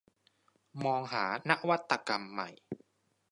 มองหานวัตกรรมใหม่